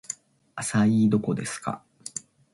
アサイーどこですか